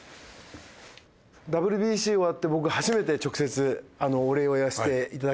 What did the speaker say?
ＷＢＣ終わって僕初めて直接お礼を言わせて頂きます。